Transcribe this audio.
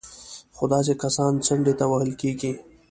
خو داسې کسان څنډې ته وهل کېږي